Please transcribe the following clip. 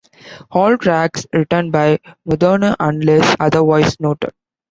All tracks written by Mudhoney unless otherwise noted.